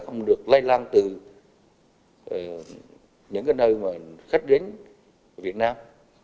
không được lay lan từ những nơi khách đến việt nam